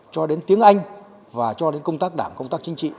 cho đến tiếng anh và cho đến công tác đảng công tác chính trị